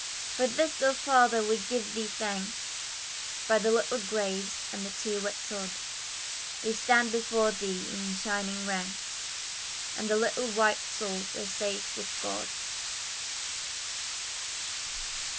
For this, oh Father! we give Thee thanks, By the little graves, and the tear wet sod, They stand before Thee in shining ranks, And the little white souls are safe with God!